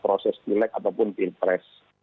proses klek ataupun pilpres